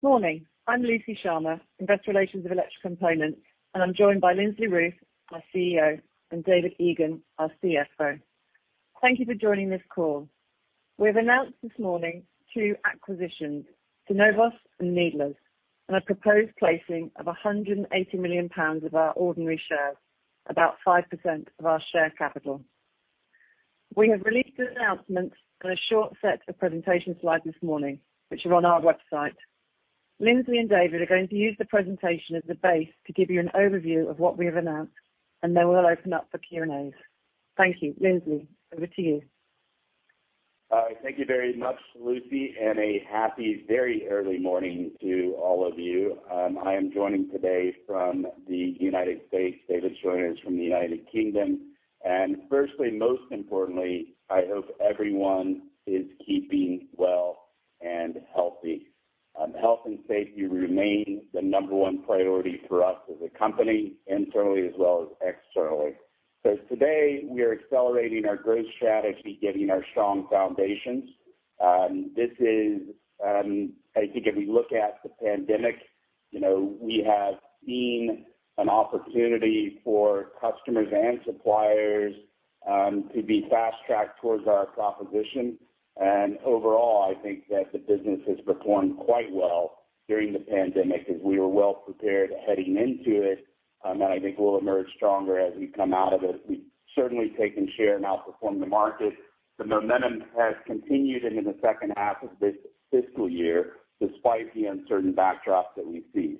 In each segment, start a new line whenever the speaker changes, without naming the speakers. Morning. I'm Lucy Sharma, Investor Relations of Electrocomponents, and I'm joined by Lindsley Ruth, our CEO, and David Egan, our CFO. Thank you for joining this call. We have announced this morning two acquisitions, Synovos and Needlers, and a proposed placing of 180 million pounds of our ordinary shares, about 5% of our share capital. We have released announcements and a short set of presentation slides this morning, which are on our website. Lindsley and David are going to use the presentation as a base to give you an overview of what we have announced, and then we'll open up for Q&As. Thank you. Lindsley, over to you.
All right. Thank you very much, Lucy. A happy very early morning to all of you. I am joining today from the U.S. David is joining us from the U.K. Firstly, most importantly, I hope everyone is keeping well and healthy. Health and safety remain the number one priority for us as a company, internally as well as externally. Today, we are accelerating our growth strategy given our strong foundations. I think if we look at the pandemic, we have seen an opportunity for customers and suppliers to be fast-tracked towards our proposition. Overall, I think that the business has performed quite well during the pandemic as we were well prepared heading into it, and I think we'll emerge stronger as we come out of it. We've certainly taken share and outperformed the market. The momentum has continued into the second half of this fiscal year, despite the uncertain backdrop that we see.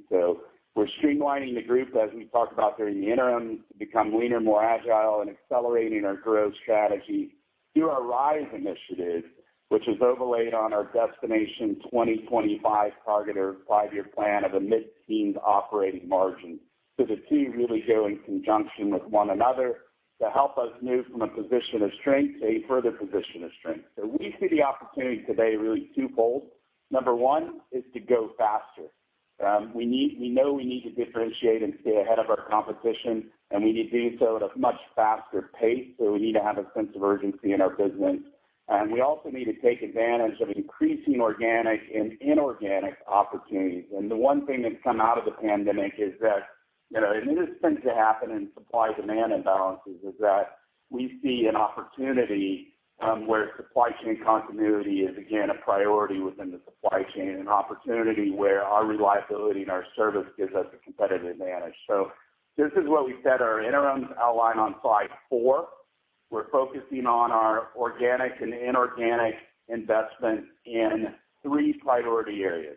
We're streamlining the group, as we talked about during the interim, to become leaner, more agile, and accelerating our growth strategy through our RISE initiative, which is overlaid on our Destination 2025 target or five-year plan of a mid-teens operating margin. The two really go in conjunction with one another to help us move from a position of strength to a further position of strength. We see the opportunity today really twofold. Number one is to go faster. We know we need to differentiate and stay ahead of our competition, and we need to do so at a much faster pace, so we need to have a sense of urgency in our business. We also need to take advantage of increasing organic and inorganic opportunities. The one thing that's come out of the pandemic is that, and this tends to happen in supply-demand imbalances, is that we see an opportunity where supply chain continuity is again a priority within the supply chain, an opportunity where our reliability and our service gives us a competitive advantage. This is what we said our interims outline on slide four. We're focusing on our organic and inorganic investment in three priority areas,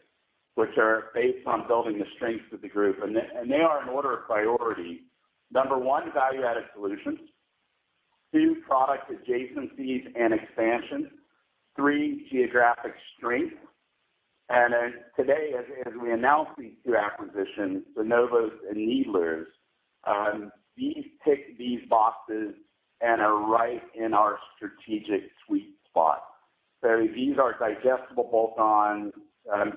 which are based on building the strengths of the group. They are in order of priority. Number one, value-added solutions. Two, product adjacencies and expansion. Three, geographic strength. Today, as we announce these two acquisitions, Synovos and Needlers, these tick these boxes and are right in our strategic sweet spot. These are digestible bolt-ons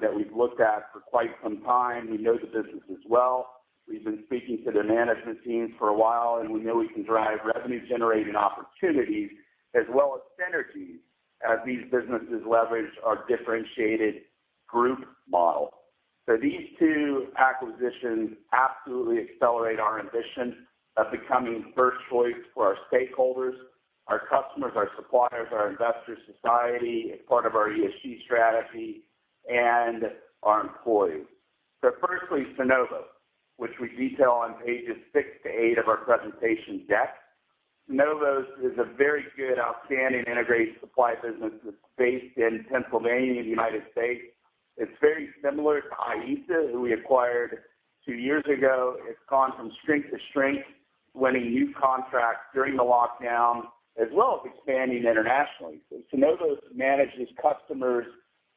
that we've looked at for quite some time. We know the businesses well. We've been speaking to their management teams for a while, and we know we can drive revenue-generating opportunities as well as synergies as these businesses leverage our differentiated group model. These two acquisitions absolutely accelerate our ambition of becoming first choice for our stakeholders, our customers, our suppliers, our investors, society as part of our ESG strategy, and our employees. Firstly, Synovos, which we detail on pages six to eight of our presentation deck. Synovos is a very good, outstanding integrated supply business that's based in Pennsylvania in the United States. It's very similar to IESA, who we acquired two years ago. It's gone from strength to strength, winning new contracts during the lockdown, as well as expanding internationally. Synovos manages customers'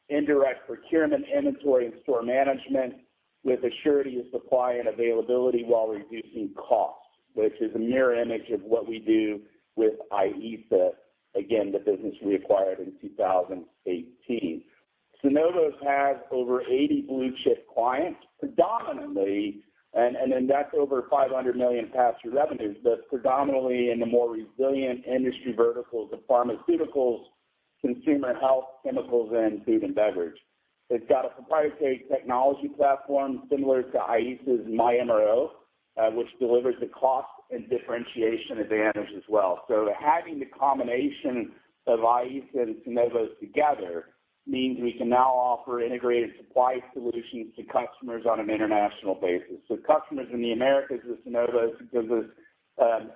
indirect procurement inventory and store management with assurity of supply and availability while reducing costs, which is a mirror image of what we do with IESA, again, the business we acquired in 2018. Synovos has over 80 blue-chip clients, predominantly, and then that's over 500 million passthrough revenues, but predominantly in the more resilient industry verticals of pharmaceuticals, consumer health, chemicals, and food and beverage. They've got a proprietary technology platform similar to IESA's MyMRO, which delivers the cost and differentiation advantage as well. Having the combination of IESA and Synovos together means we can now offer integrated supply solutions to customers on an international basis. Customers in the Americas with Synovos gives us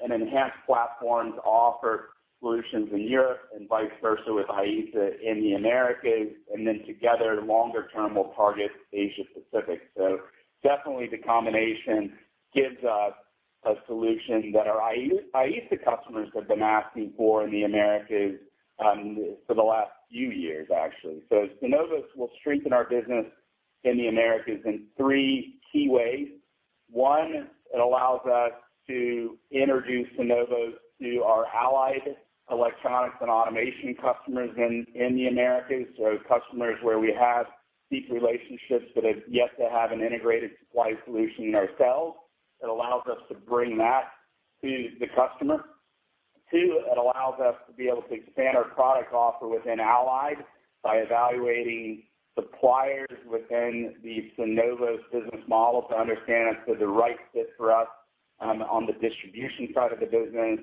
an enhanced platform to offer solutions in Europe, and vice versa with IESA in the Americas, and then together, longer term, we'll target Asia-Pacific. Definitely the combination gives us a solution that our IESA customers have been asking for in the Americas for the last few years, actually. Synovos will strengthen our business in the Americas in three key ways. One, it allows us to introduce Synovos to our Allied Electronics & Automation customers in the Americas. Customers where we have deep relationships but have yet to have an integrated supply solution ourselves, it allows us to bring that to the customer. Two, it allows us to be able to expand our product offer within Allied Electronics & Automation by evaluating suppliers within the Synovos business model to understand if they're the right fit for us on the distribution side of the business.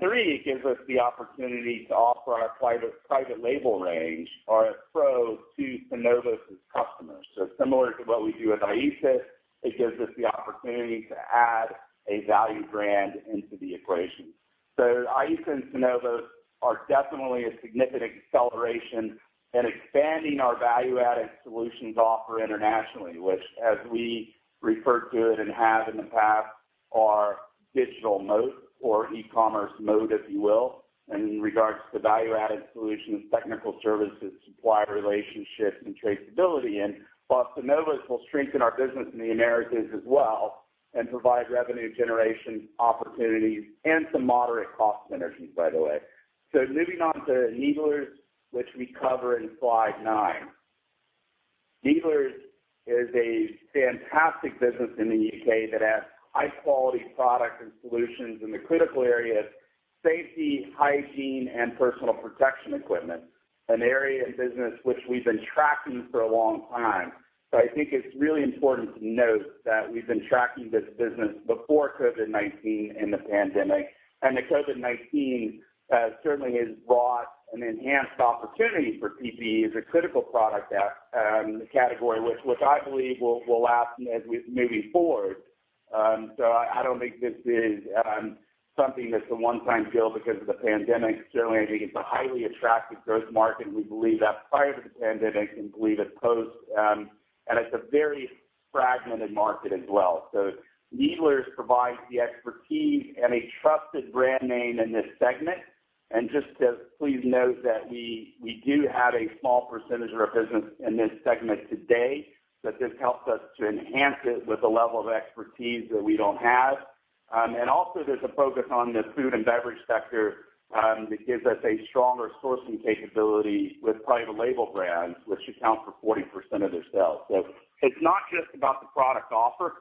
Three, it gives us the opportunity to offer our private label range, RS PRO, to Synovos' customers. Similar to what we do with IESA, it gives us the opportunity to add a value brand into the equation. IESA and Synovos are definitely a significant acceleration in expanding our value-added solutions offer internationally, which as we refer to it and have in the past, our digital moat or e-commerce moat, if you will, in regards to value-added solutions, technical services, supplier relationships, and traceability. While Synovos will strengthen our business in the Americas as well and provide revenue generation opportunities and some moderate cost synergies, by the way. Moving on to Needlers, which we cover in slide nine. Needlers is a fantastic business in the U.K. that has high-quality products and solutions in the critical areas safety, hygiene, and Personal Protection Equipment, an area of the business which we've been tracking for a long time. I think it's really important to note that we've been tracking this business before COVID-19 and the pandemic, and the COVID-19 certainly has brought an enhanced opportunity for PPE as a critical product category which I believe will last as we move forward. I don't think this is something that's a one-time deal because of the pandemic. Certainly, I think it's a highly attractive growth market, and we believe that prior to the pandemic, and believe it post. It's a very fragmented market as well. Needlers provides the expertise and a trusted brand name in this segment. Just to please note that we do have a small percentage of our business in this segment today, but this helps us to enhance it with a level of expertise that we don't have. Also, there's a focus on the food and beverage sector that gives us a stronger sourcing capability with private label brands, which account for 40% of their sales. It's not just about the product offer.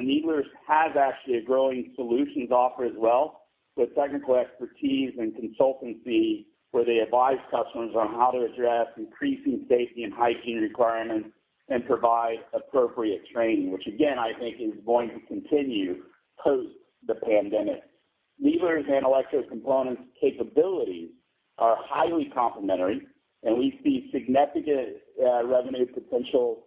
Needlers has actually a growing solutions offer as well, so technical expertise and consultancy, where they advise customers on how to address increasing safety and hygiene requirements and provide appropriate training, which again, I think is going to continue post the pandemic. Needlers and Electrocomponents' capabilities are highly complementary, and we see significant revenue potential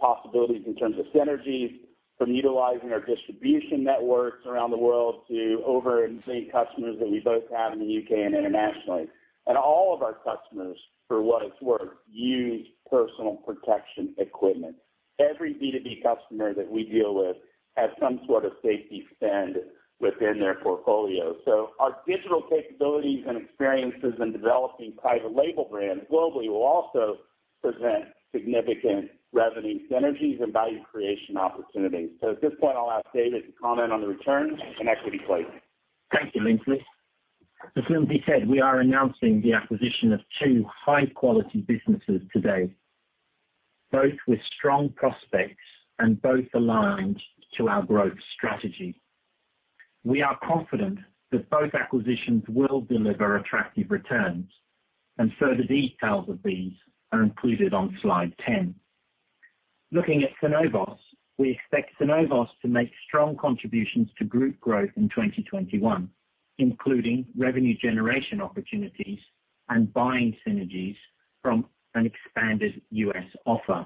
possibilities in terms of synergies from utilizing our distribution networks around the world to overseas customers that we both have in the U.K. and internationally. All of our customers, for what it's worth, use personal protection equipment. Every B2B customer that we deal with has some sort of safety spend within their portfolio. Our digital capabilities and experiences in developing private label brands globally will also present significant revenue synergies and value creation opportunities. At this point, I'll ask David to comment on the returns and equity placing.
Thank you, Lindsley. As Lindsley said, we are announcing the acquisition of two high-quality businesses today, both with strong prospects and both aligned to our growth strategy. We are confident that both acquisitions will deliver attractive returns. Further details of these are included on slide 10. Looking at Synovos, we expect Synovos to make strong contributions to group growth in 2021, including revenue generation opportunities and buying synergies from an expanded U.S. offer.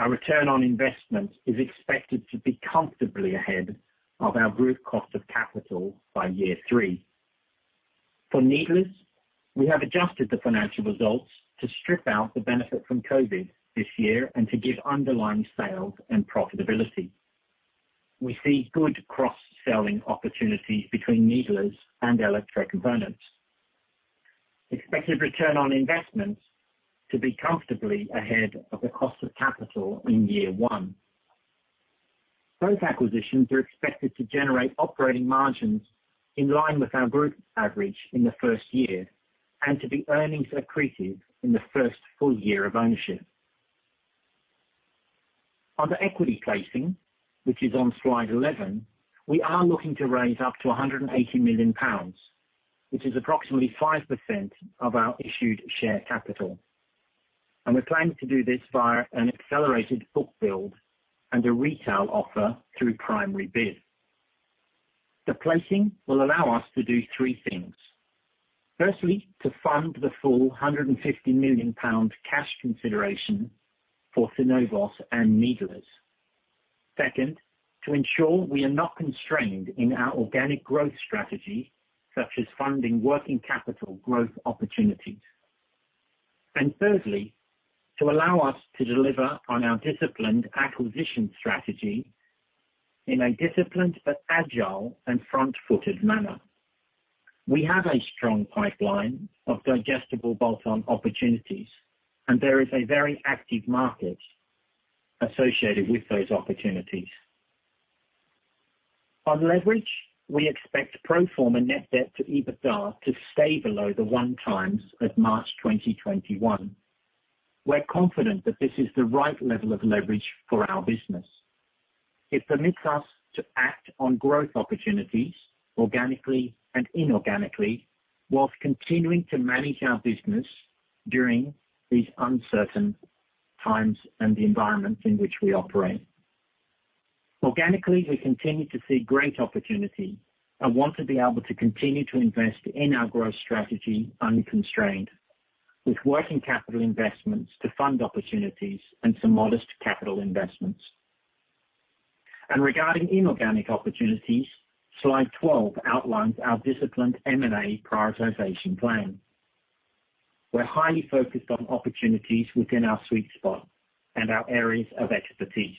Our return on investment is expected to be comfortably ahead of our group cost of capital by year three. For Needlers, we have adjusted the financial results to strip out the benefit from COVID this year and to give underlying sales and profitability. We see good cross-selling opportunities between Needlers and Electrocomponents. Expected return on investment to be comfortably ahead of the cost of capital in year one. Both acquisitions are expected to generate operating margins in line with our group average in the first year and to be earnings accretive in the first full year of ownership. On the equity placing, which is on slide 11, we are looking to raise up to 180 million pounds, which is approximately 5% of our issued share capital. We plan to do this via an accelerated book build and a retail offer through PrimaryBid. The placing will allow us to do three things. Firstly, to fund the full GBP 150 million cash consideration for Synovos and Needlers. Second, to ensure we are not constrained in our organic growth strategy, such as funding working capital growth opportunities. Thirdly, to allow us to deliver on our disciplined acquisition strategy in a disciplined but agile and front-footed manner. We have a strong pipeline of digestible bolt-on opportunities, and there is a very active market associated with those opportunities. On leverage, we expect pro forma net debt to EBITDA to stay below the 1x at March 2021. We're confident that this is the right level of leverage for our business. It permits us to act on growth opportunities organically and inorganically, while continuing to manage our business during these uncertain times and the environment in which we operate. Organically, we continue to see great opportunity and want to be able to continue to invest in our growth strategy unconstrained, with working capital investments to fund opportunities and some modest capital investments. Regarding inorganic opportunities, slide 12 outlines our disciplined M&A prioritization plan. We're highly focused on opportunities within our sweet spot and our areas of expertise.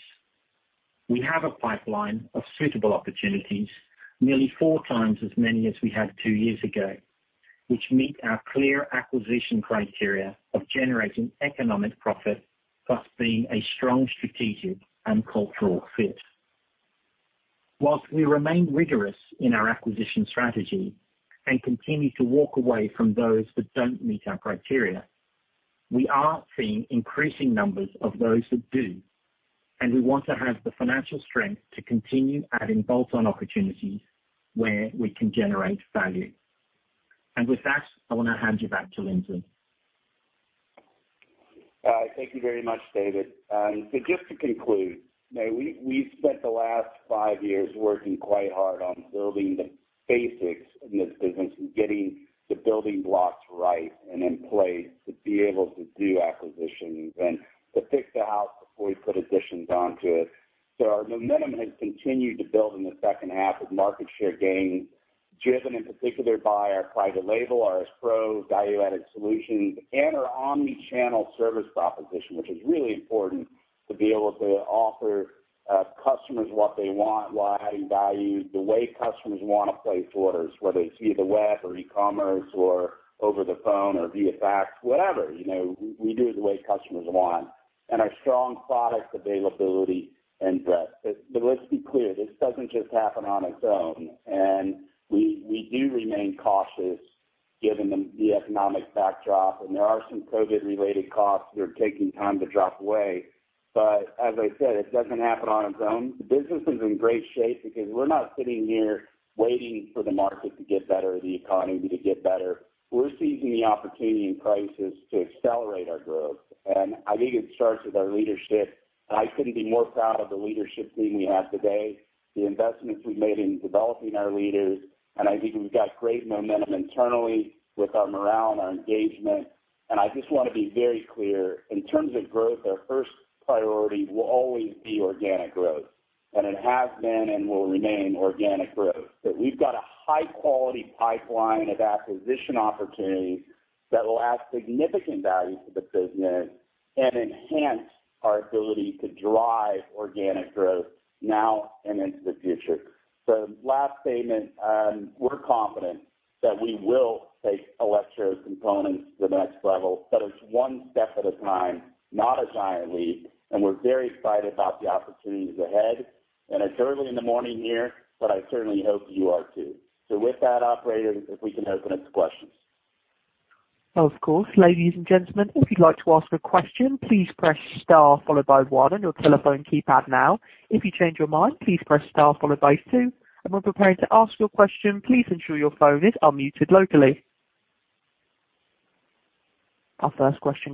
We have a pipeline of suitable opportunities, nearly 4x as many as we had two years ago, which meet our clear acquisition criteria of generating economic profit, plus being a strong strategic and cultural fit. Whilst we remain rigorous in our acquisition strategy and continue to walk away from those that don't meet our criteria, we are seeing increasing numbers of those that do, and we want to have the financial strength to continue adding bolt-on opportunities where we can generate value. With that, I want to hand you back to Lindsley.
Thank you very much, David. Just to conclude, we've spent the last five years working quite hard on building the basics in this business and getting the building blocks right and in place to be able to do acquisitions and to fix the house before we put additions onto it. Our momentum has continued to build in the second half with market share gains driven in particular by our private label, RS PRO value-added solutions and our omni-channel service proposition, which is really important to be able to offer customers what they want while adding value the way customers want to place orders, whether it's via the web or e-commerce or over the phone or via fax, whatever, we do it the way customers want, and our strong product availability and breadth. Let's be clear, this doesn't just happen on its own, and we do remain cautious given the economic backdrop, and there are some COVID-related costs that are taking time to drop away. As I said, it doesn't happen on its own. The business is in great shape because we're not sitting here waiting for the market to get better or the economy to get better. We're seizing the opportunity and crisis to accelerate our growth. I think it starts with our leadership. I couldn't be more proud of the leadership team we have today, the investments we've made in developing our leaders. I think we've got great momentum internally with our morale and our engagement. I just want to be very clear, in terms of growth, our first priority will always be organic growth, and it has been and will remain organic growth. We've got a high-quality pipeline of acquisition opportunities that will add significant value to the business and enhance our ability to drive organic growth now and into the future. Last statement, we're confident that we will take Electrocomponents to the next level, but it's one step at a time, not a giant leap, and we're very excited about the opportunities ahead. It's early in the morning here, but I certainly hope you are too. With that, operator, if we can open up to questions.
Our first question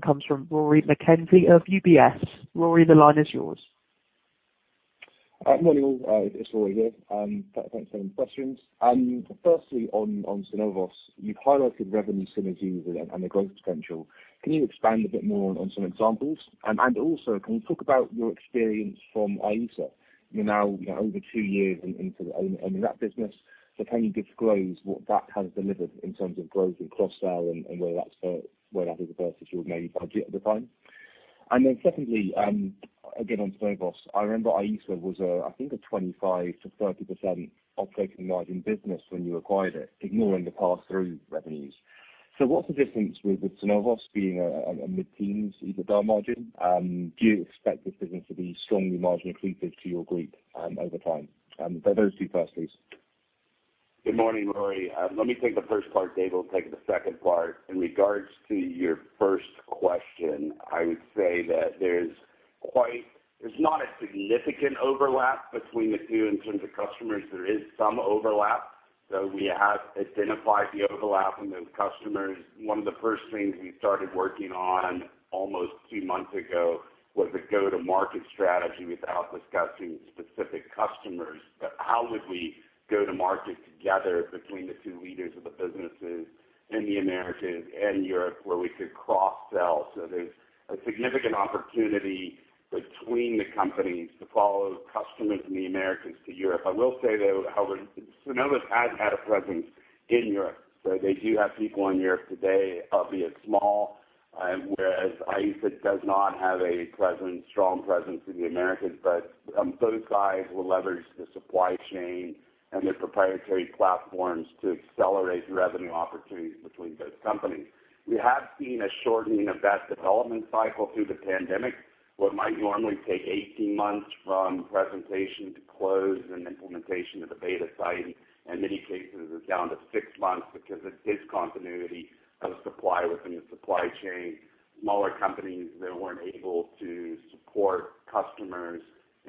comes from Rory McKenzie of UBS. Rory, the line is yours.
Morning all. It's Rory here. Thanks for taking the questions. On Synovos, you've highlighted revenue synergies and the growth potential. Can you expand a bit more on some examples? Also, can you talk about your experience from IESA? You're now over two years into owning that business. Can you disclose what that has delivered in terms of growth and cross-sell and where that is versus your maybe budget at the time? Secondly, again, on Synovos, I remember IESA was, I think, a 25%-30% operating margin business when you acquired it, ignoring the passthrough revenues. What's the difference with Synovos being a mid-teens EBITDA margin? Do you expect this business to be strongly margin accretive to your group over time? They're those two firstlies.
Good morning, Rory. Let me take the first part. Dave will take the second part. In regards to your first question, I would say that there's not a significant overlap between the two in terms of customers. There is some overlap. We have identified the overlap in those customers. One of the first things we started working on almost two months ago was the go-to-market strategy without discussing specific customers. How would we go-to-market together between the two leaders of the businesses in the Americas and Europe where we could cross-sell? There's a significant opportunity between the companies to follow customers in the Americas to Europe. I will say, though, however, Synovos has had a presence in Europe, so they do have people in Europe today, albeit small, whereas IESA does not have a strong presence in the Americas. Both guys will leverage the supply chain and their proprietary platforms to accelerate revenue opportunities between both companies. We have seen a shortening of that development cycle through the pandemic. What might normally take 18 months from presentation to close and implementation of the beta site, in many cases, is down to six months because of discontinuity of supply within the supply chain, smaller companies that weren't able to support customers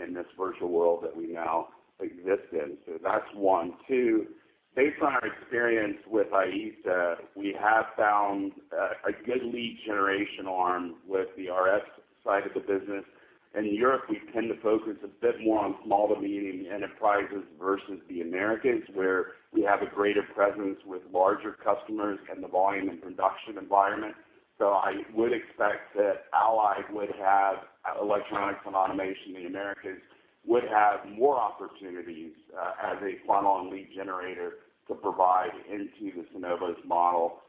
in this virtual world that we now exist in. That's one. Two, based on our experience with IESA, we have found a good lead generation arm with the RS side of the business. In Europe, we tend to focus a bit more on small-to-medium enterprises versus the Americans, where we have a greater presence with larger customers and the volume and production environment. I would expect that Allied Electronics & Automation would have electronics and automation in the Americas, would have more opportunities as a funnel and lead generator to provide into the Synovos model.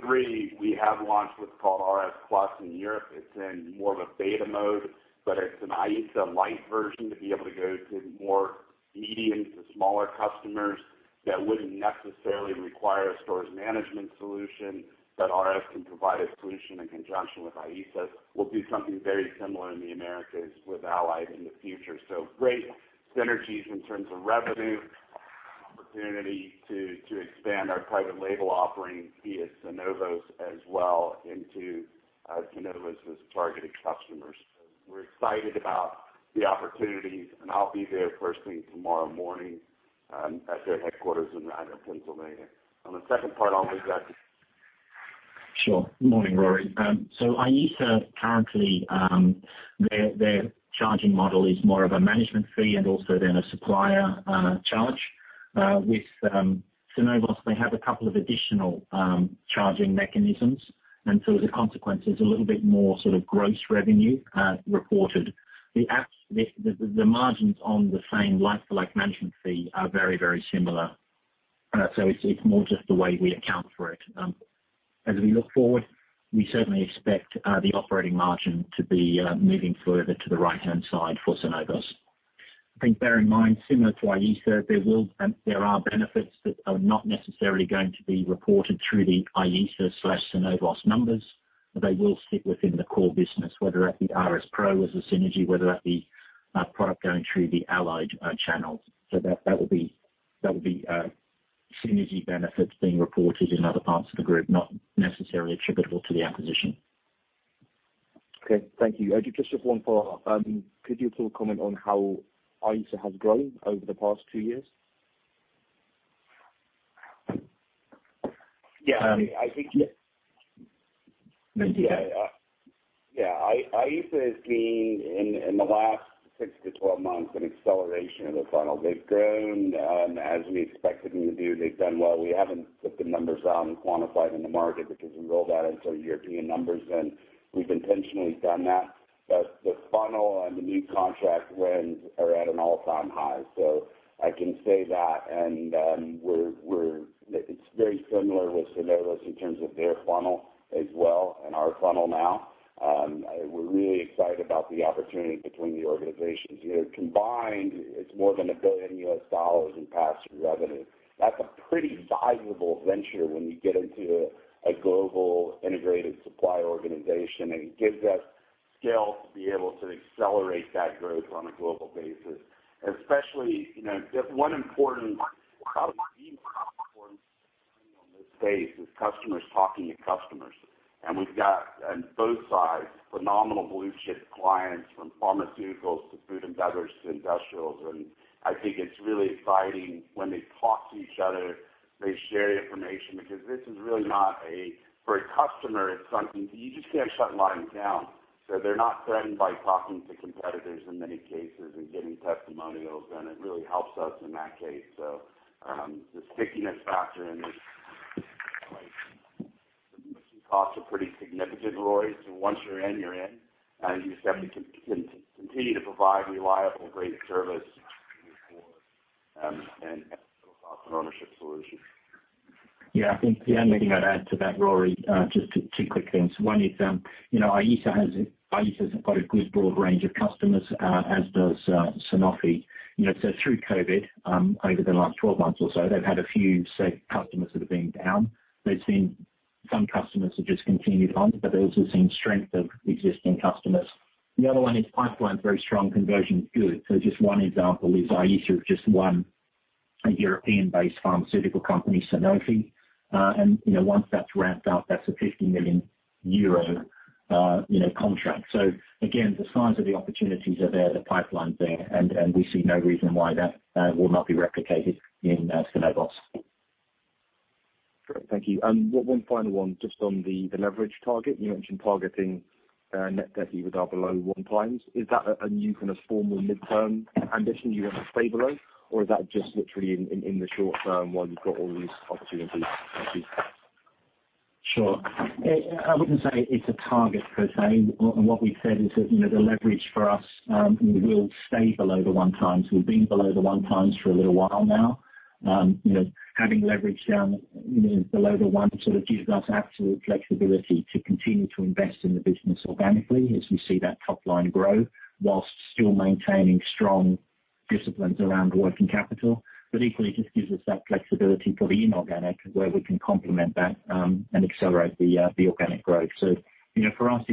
Three, we have launched what's called RS Plus in Europe. It's in more of a beta mode, but it's an IESA light version to be able to go to more medium-to-smaller customers that wouldn't necessarily require a storage management solution, that RS can provide a solution in conjunction with IESA. We'll do something very similar in the Americas with Allied Electronics & Automation in the future. Great synergies in terms of revenue. Opportunity to expand our private label offering via Synovos as well into Synovos' targeted customers. We're excited about the opportunities, and I'll be there first thing tomorrow morning at their headquarters in Radnor, Pennsylvania. On the second part, I'll give that to-
Sure. Morning, Rory. IESA, currently, their charging model is more of a management fee and also then a supplier charge. With Synovos, they have a couple of additional charging mechanisms, and so the consequence is a little bit more sort of gross revenue reported. The margins on the same like-for-like management fee are very similar. It's more just the way we account for it. As we look forward, we certainly expect the operating margin to be moving further to the right-hand side for Synovos. I think bear in mind, similar to IESA, there are benefits that are not necessarily going to be reported through the IESA/Synovos numbers. They will sit within the core business, whether that be RS PRO as a synergy, whether that be product going through the Allied Electronics & Automation channels. That will be synergy benefits being reported in other parts of the group, not necessarily attributable to the acquisition.
Okay. Thank you. Just one follow-up. Could you still comment on how IESA has grown over the past two years?
Yeah.
Yeah.
Yeah. IESA has been, in the last 6 to 12 months, an acceleration of the funnel. They've grown, as we expected them to do. They've done well. We haven't put the numbers out and quantified in the market because we rolled that into European numbers, and we've intentionally done that. The funnel and the new contract wins are at an all-time high. I can say that, and it's very similar with Synovos in terms of their funnel as well and our funnel now. We're really excited about the opportunity between the organizations. Combined, it's more than $1 billion in passthrough revenue. That's a pretty valuable venture when you get into a global integrated supply organization, and it gives us scale to be able to accelerate that growth on a global basis. Especially, one important, probably the most important thing on this space is customers talking to customers. We've got, on both sides, phenomenal blue-chip clients, from pharmaceuticals to food and beverage to industrials, and I think it's really exciting when they talk to each other, they share information because for a customer, you just can't shut lines down. They're not threatened by talking to competitors in many cases and giving testimonials, and it really helps us in that case. The stickiness factor in this case is pretty significant, Rory. Once you're in, you're in, and you simply continue to provide reliable, great service for and build off an ownership solution.
Yeah, I think the only thing I'd add to that, Rory, just two quick things. One is, IESA's got a good broad range of customers, as does Sanofi. Through COVID, over the last 12 months or so, they've had a few safe customers that have been down. They've seen some customers have just continued on, but they've also seen strength of existing customers. The other one is pipeline, very strong conversion is good. Just one example is IESA have just won a European-based pharmaceutical company, Sanofi. Once that's ramped up, that's a 50 million euro contract. Again, the signs of the opportunities are there, the pipeline's there, and we see no reason why that will not be replicated in Synovos.
Great. Thank you. One final one, just on the leverage target. You mentioned targeting net debt EBITDA below 1x. Is that a new kind of formal midterm condition you have to stay below? Or is that just literally in the short term while you've got all these opportunities? Thank you.
Sure. I wouldn't say it's a target per se. What we've said is that the leverage for us will stay below the 1x. We've been below the 1x for a little while now. Having leverage down below the 1x sort of gives us absolute flexibility to continue to invest in the business organically as we see that top-line growth, while still maintaining strong Disciplines around working capital, but equally just gives us that flexibility for the inorganic where we can complement that and accelerate the organic growth. For us,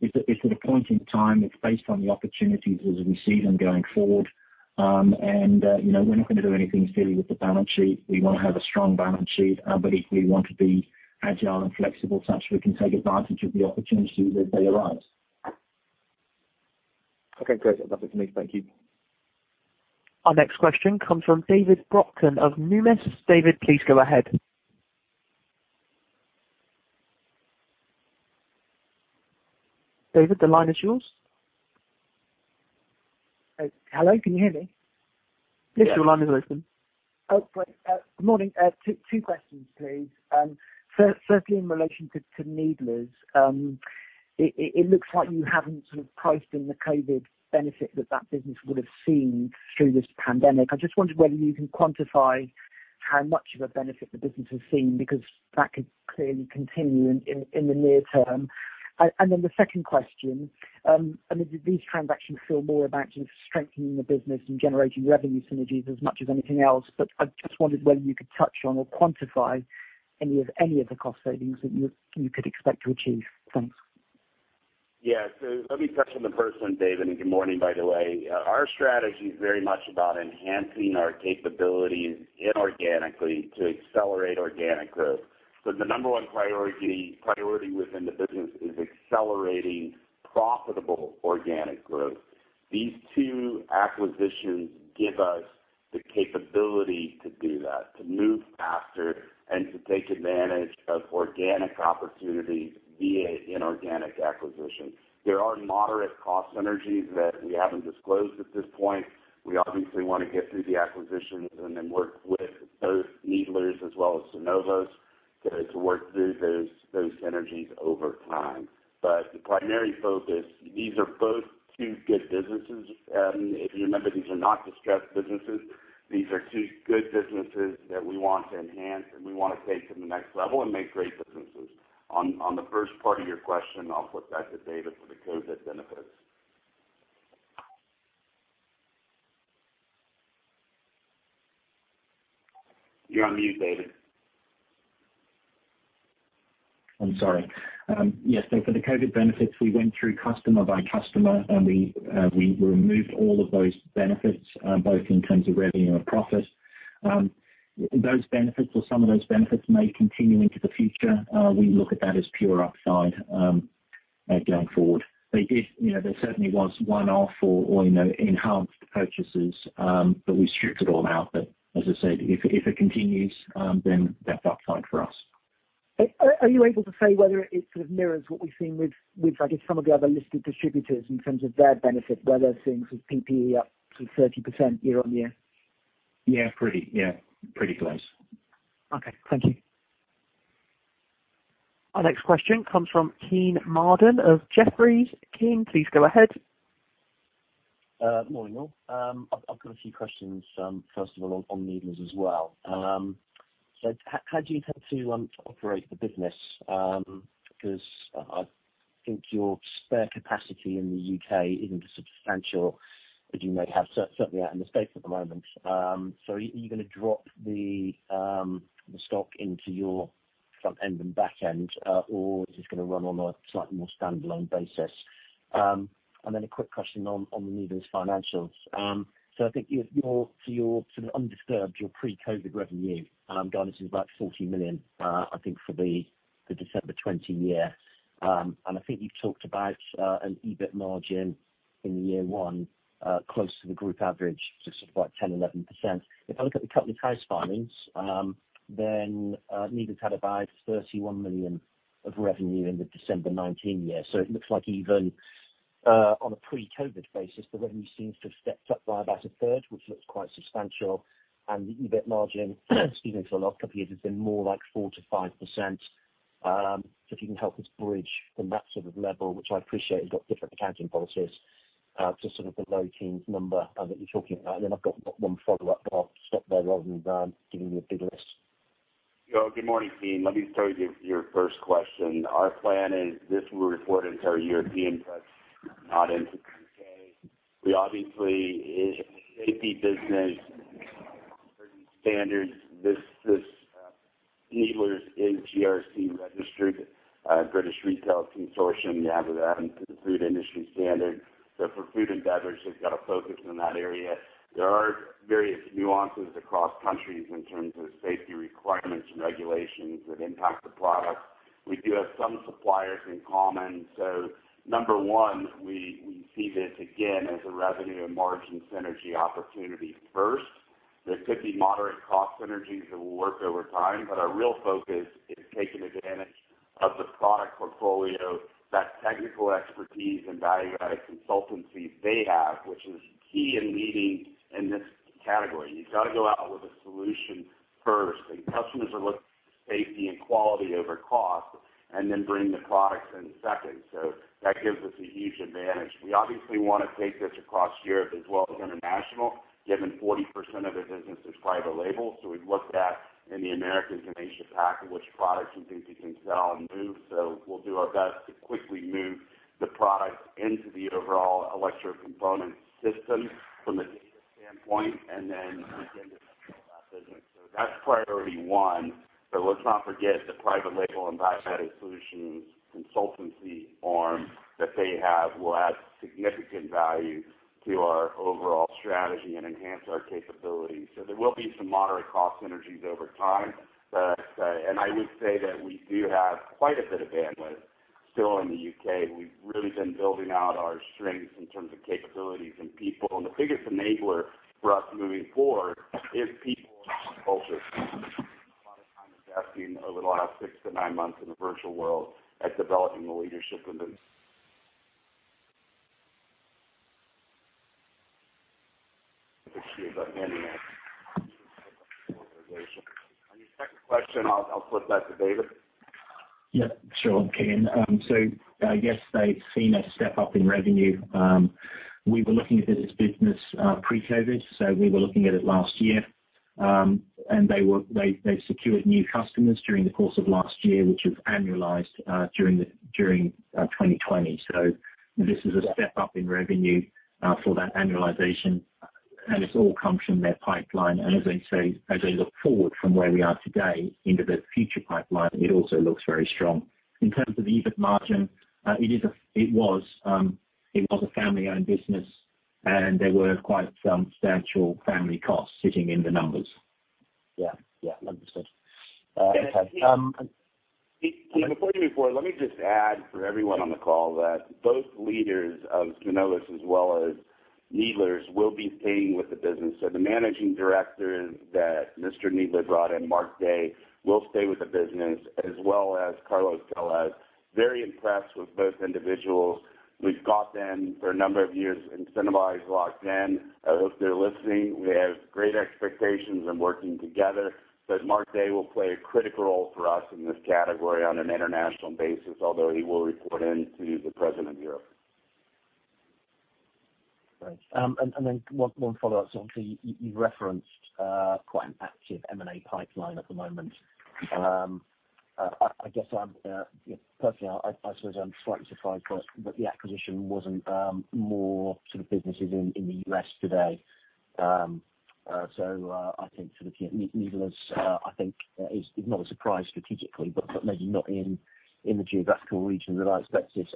it's at a point in time, it's based on the opportunities as we see them going forward. We're not going to do anything silly with the balance sheet. We want to have a strong balance sheet, but if we want to be agile and flexible such that we can take advantage of the opportunities as they arise.
Okay, great. That's everything for me. Thank you.
Our next question comes from David Brockton of Numis. David, please go ahead. David, the line is yours.
Hello, can you hear me?
Yes, your line is open.
Oh, great morning. Two questions, please. First, certainly in relation to Needlers. It looks like you haven't sort of priced in the COVID benefit that business would have seen through this pandemic. I just wondered whether you can quantify how much of a benefit the business has seen, because that could clearly continue in the near term. The second question, these transactions feel more about just strengthening the business and generating revenue synergies as much as anything else. I just wondered whether you could touch on or quantify any of the cost savings that you could expect to achieve. Thanks.
Yeah. Let me touch on the first one, David. Good morning, by the way. Our strategy is very much about enhancing our capabilities inorganically to accelerate organic growth. The number one priority within the business is accelerating profitable organic growth. These two acquisitions give us the capability to do that, to move faster and to take advantage of organic opportunities via inorganic acquisitions. There are moderate cost synergies that we haven't disclosed at this point. We obviously want to get through the acquisitions and then work with both Needlers as well as Synovos to work through those synergies over time. The primary focus, these are both two good businesses. If you remember, these are not distressed businesses. These are two good businesses that we want to enhance, and we want to take to the next level and make great businesses. On the first part of your question, I'll flip back to David for the COVID benefits. You're on mute, David.
I'm sorry. Yes. For the COVID benefits, we went through customer by customer, and we removed all of those benefits, both in terms of revenue and profit. Those benefits or some of those benefits may continue into the future. We look at that as pure upside going forward. There certainly was one-off or enhanced purchases, we stripped it all out. As I said, if it continues, that's upside for us.
Are you able to say whether it sort of mirrors what we've seen with, I guess, some of the other listed distributors in terms of their benefit, where they're seeing sort of PPE up sort of 30% year-on-year?
Yeah, pretty close.
Okay. Thank you.
Our next question comes from Kean Marden of Jefferies. Kean, please go ahead.
Morning all. I've got a few questions. On Needlers as well. How do you intend to operate the business? Because I think your spare capacity in the U.K. isn't substantial, but you may have certainly out in the U.S. at the moment. Are you going to drop the stock into your front end and back end, or is this going to run on a slightly more standalone basis? A quick question on the Needlers financials. I think for your sort of undisturbed, your pre-COVID-19 revenue guidance is about 40 million, I think for the December 2020 year. I think you've talked about an EBIT margin in year one close to the group average, just about 10%-11%. If I look at the company's house filings, Needlers had about 31 million of revenue in the December 2019 year. It looks like even on a pre-COVID basis, the revenue seems to have stepped up by about 1/3, which looks quite substantial. The EBIT margin, excuse me, for the last couple of years has been more like 4%-5%. If you can help us bridge from that sort of level, which I appreciate has got different accounting policies, to sort of the low-teens number that you're talking about. I've got one follow-up, but I'll stop there rather than giving you a big list.
Good morning, Kean. Let me start with your first question. Our plan is this will be reported into our European press, not into the U.K. We obviously, safety business standards, Needlers is BRC registered, British Retail Consortium. We have that and the food industry standard. For food and beverage, they've got a focus in that area. There are various nuances across countries in terms of safety requirements and regulations that impact the product. We do have some suppliers in common. Number one, we see this again as a revenue and margin synergy opportunity first. There could be moderate cost synergies that will work over time, but our real focus is taking advantage of the product portfolio, that technical expertise and value-added consultancy they have, which is key and leading in this category. You've got to go out with a solution first. Customers are looking for safety and quality over cost. Then bring the products in second. That gives us a huge advantage. We obviously want to take this across Europe as well as international, given 40% of their business is private label. We've looked at in the Americas and Asia-Pacific which products and things we can sell and move. We'll do our best to quickly move the products into the overall Electrocomponents system from a data standpoint. Then begin to sell that. That's priority one. Let's not forget the private label and biometric solutions consultancy arm that they have will add significant value to our overall strategy and enhance our capabilities. There will be some moderate cost synergies over time. I would say that we do have quite a bit of bandwidth still in the U.K. We've really been building out our strengths in terms of capabilities and people. The biggest enabler for us moving forward is [PIP of it]. We spent a lot of time investing over the last six to nine months in the virtual world at developing the leadership within the team. Anyhow, on your second question, I'll flip that to David.
Yeah, sure, Kean. Yes, they've seen a step-up in revenue. We were looking at this business pre-COVID-19, so we were looking at it last year. They secured new customers during the course of last year, which have annualized during 2020. This is a step-up in revenue for that annualization, and it all comes from their pipeline. As they say, as they look forward from where we are today into the future pipeline, it also looks very strong. In terms of the EBIT margin, it was a multi-country owned business, and there were quite substantial family costs sitting in the numbers.
Yeah. 100%. Okay.
Yes.
Before you move forward, let me just add for everyone on the call that both leaders of Synovos as well as Needlers will be staying with the business. The Managing Directors that Alistair Needler brought in, Mark Day, will stay with the business, as well as Carlos Tellez. Very impressed with both individuals. We've got them for a number of years, incentivized, locked in. I hope they're listening. We have great expectations in working together. Mark Day will play a critical role for us in this category on an international basis, although he will report in to the President of Europe.
Right. One follow-up. You referenced quite an active M&A pipeline at the moment. Personally, I suppose I'm slightly surprised that the acquisition wasn't more sort of businesses in the U.S. today. I think Needlers is not a surprise strategically, but maybe not in the geographical region that I expected.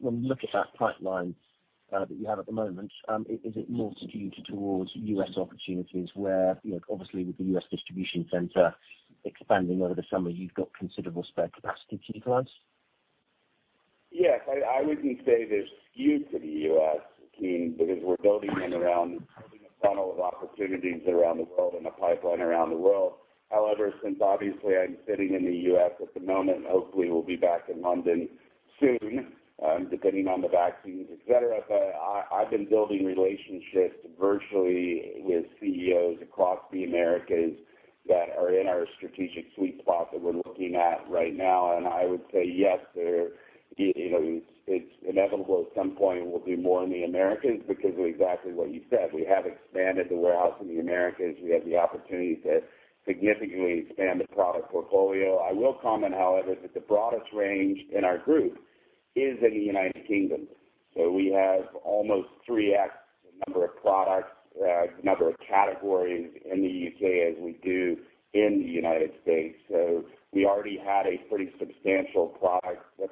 When you look at that pipeline that you have at the moment, is it more skewed towards U.S. opportunities where, obviously with the U.S. distribution center expanding over the summer, you've got considerable spare capacity to utilize?
Yes. I wouldn't say they're skewed to the U.S., Kean, because we're building a funnel of opportunities around the world and a pipeline around the world. However, since obviously I'm sitting in the U.S. at the moment, and hopefully will be back in London soon, depending on the vaccines, et cetera. I've been building relationships virtually with CEOs across the Americas that are in our strategic sweet spot that we're looking at right now. I would say yes, it's inevitable at some point we'll do more in the Americas because of exactly what you said. We have expanded the warehouse in the Americas. We have the opportunity to significantly expand the product portfolio. I will comment, however, that the broadest range in our group is in the United Kingdom. We have almost three X the number of products, the number of categories in the U.K. as we do in the United States. We already had a pretty substantial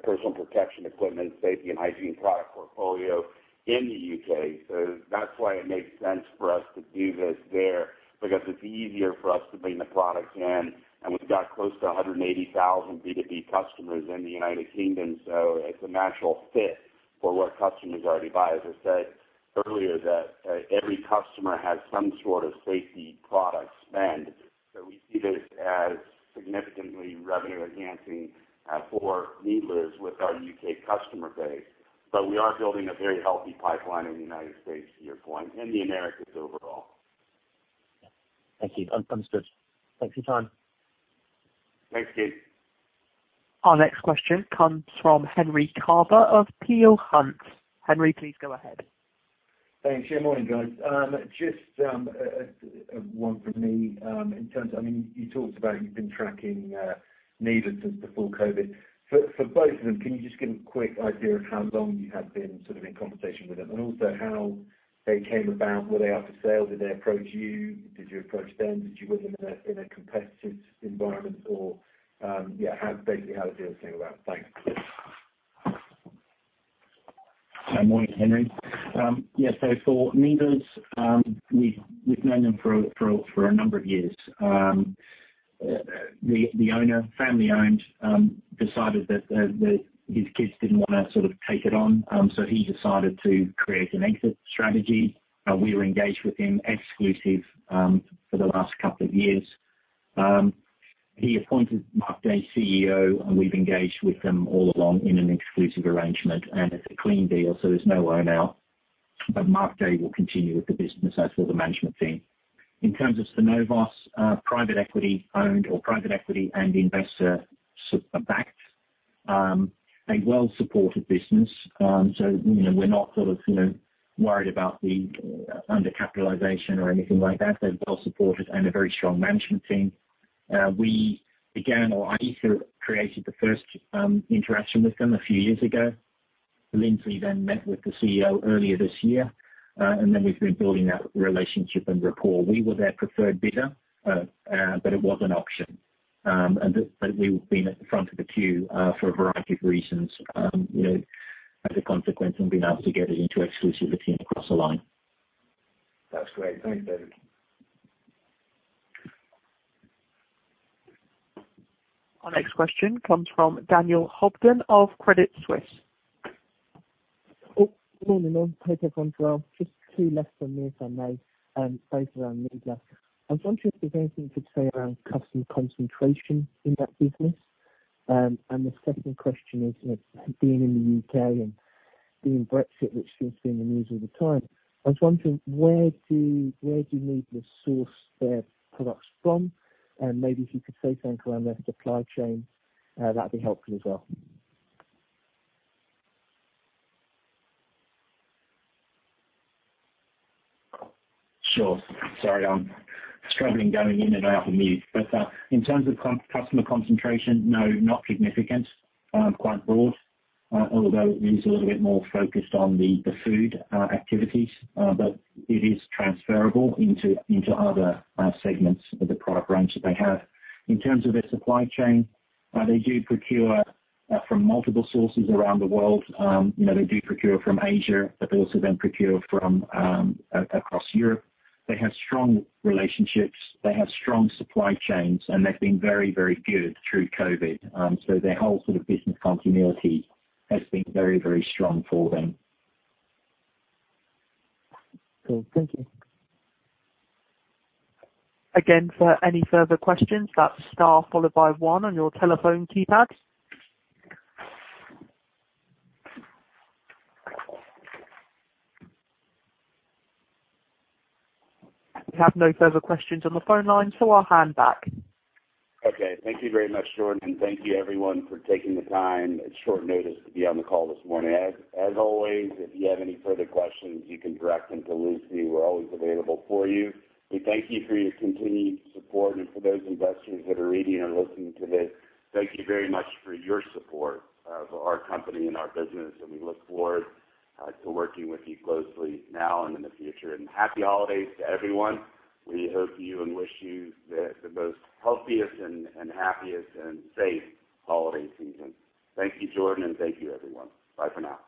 personal protection equipment, safety and hygiene product portfolio in the U.K. That's why it makes sense for us to do this there, because it's easier for us to bring the products in, and we've got close to 180,000 B2B customers in the United Kingdom. It's a natural fit for what customers already buy. As I said earlier that every customer has some sort of safety product spend. We see this as significantly revenue-enhancing for Needlers with our U.K. customer base. We are building a very healthy pipeline in the United States, to your point, and the Americas overall.
Thank you. That's good. Thanks for your time.
Thanks, Kean.
Our next question comes from Henry Carver of Peel Hunt. Henry, please go ahead.
Thanks. Good morning, guys. Just one from me. In terms of, you talked about you've been tracking Needlers since before COVID. For both of them, can you just give a quick idea of how long you have been sort of in conversation with them and also how they came about? Were they up for sale? Did they approach you? Did you approach them? Did you win in a competitive environment or, yeah, basically how the deal came about? Thanks.
Good morning, Henry. Yeah, for Needlers, we've known them for a number of years. The owner, family-owned, decided that his kids didn't want to sort of take it on. He decided to create an exit strategy. We were engaged with him exclusive for the last couple of years. He appointed Mark Day CEO. We've engaged with them all along in an exclusive arrangement. It's a clean deal, there's no earn-out. Mark Day will continue with the business, as will the management team. In terms of Synovos, private-equity-owned or private equity and investor sponsor-backed. A well-supported business. We're not sort of worried about the undercapitalization or anything like that. They're well-supported and a very strong management team. We began, or I sort of created the first interaction with them a few years ago Lindsley met with the CEO earlier this year, and then we've been building that relationship and rapport. We were their preferred bidder, but it was an auction, and we've been at the front of the queue for a variety of reasons, as a consequence and being able to get it into exclusivity and across the line.
That's great. Thanks, David.
Our next question comes from Daniel Hobden of Credit Suisse.
Good morning all. Hope everyone's well. Just two left from me, if I may, both around Needlers. I was wondering if there's anything you could say around customer concentration in that business. The second question is, being in the U.K. and being Brexit, which seems to be in the news all the time, I was wondering where do Needlers source their products from, and maybe if you could say something around their supply chain, that'd be helpful as well.
Sure. Sorry, I'm struggling going in and out of mute. In terms of customer concentration, no, not significant. Quite broad. Although Needlers is a little bit more focused on the food activities. It is transferable into other segments of the product range that they have. In terms of their supply chain, they do procure from multiple sources around the world. They do procure from Asia, but they also then procure from across Europe. They have strong relationships, they have strong supply chains, and they've been very good through COVID. Their whole sort of business continuity has been very strong for them.
Cool. Thank you.
Again, for any further questions, that's star followed by one on your telephone keypad. We have no further questions on the phone line, so I'll hand back.
Okay. Thank you very much, Jordan. Thank you everyone for taking the time at short notice to be on the call this morning. As always, if you have any further questions, you can direct them to Lucy. We're always available for you. We thank you for your continued support and for those investors that are reading or listening today, thank you very much for your support of our company and our business, and we look forward to working with you closely now and in the future. Happy holidays to everyone. We hope you and wish you the most healthiest and happiest and safe holiday season. Thank you, Jordan, and thank you everyone. Bye for now.